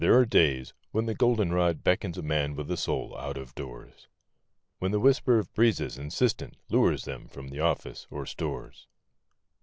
ARE DAYS when the g o 1 d e n rod beckons a man with a soul, out of doors; When the whisper of breezes insist¬ ent lures them from the office or stores.